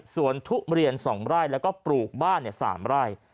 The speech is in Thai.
ทุเรียน๒ไร่แล้วก็ปลูกบ้าน๓ไร่